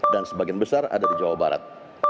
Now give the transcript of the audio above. dan sebagian besar ada di jawa barat